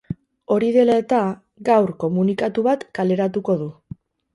Hori dela eta, gaur komunikatu bat kaleratuko du.